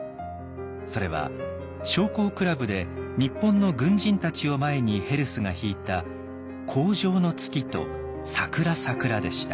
それは将校倶楽部で日本の軍人たちを前にヘルスが弾いた「荒城の月」と「さくらさくら」でした。